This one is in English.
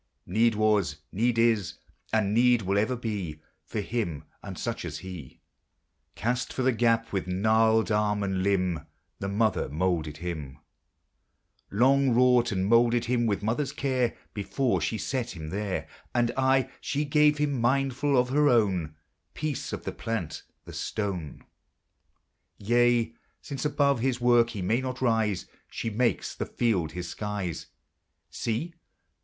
Need was, need is, and need will ever be For him and such as he ; Cast for the gap, with gnarled arm and limb, The Mother moulded him, — Long wrought, and moulded him with mother's care, Before she set him there. And aye she gives him, mindful of her own, Peace of the plant, the stone ; Yea, since above his work he may not rise, She makes the field his skies. See